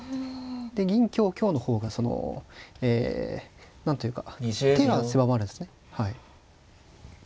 銀香香の方がそのえ何というか手が狭まるんですねはい。